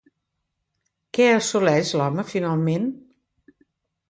Què assoleix l'home finalment?